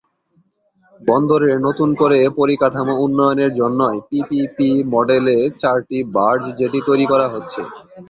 বন্দরের নতুন করে পরিকাঠামো উন্নয়নের জন্যই পিপিপি মডেলে চারটি বার্জ জেটি তৈরি করা হচ্ছে।